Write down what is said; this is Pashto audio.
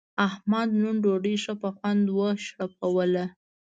احمد نن ډوډۍ ښه په خوند و شړپوله.